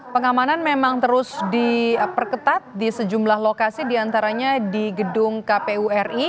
pengamanan memang terus diperketat di sejumlah lokasi di antaranya di gedung kpuri